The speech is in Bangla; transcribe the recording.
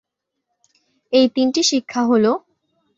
এই তিনটি শিক্ষা হল-